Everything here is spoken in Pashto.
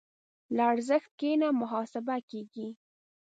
له ارزښت کښته محاسبه کېږي.